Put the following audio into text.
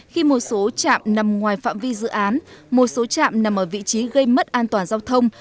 khi một số chạm nằm ngoài phạm vi dự án một số chạm nằm ở vị trí gây mất an toàn giao thông